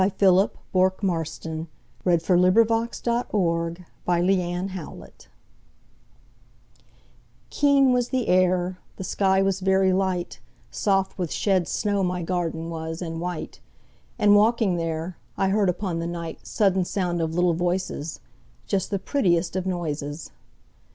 Philip Bourke Marston 1850–87 Garden Fairies KEEN was the air, the sky was very light, Soft with shed snow my garden was, and white, And, walking there, I heard upon the nightSudden sound of little voices, Just the prettiest of noises.